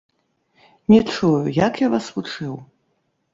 Не чую, як я вас вучыў?